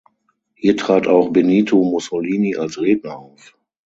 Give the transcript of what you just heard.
Hier trat auch Benito Mussolini als Redner auf.